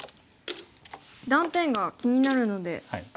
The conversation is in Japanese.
断点が気になるので。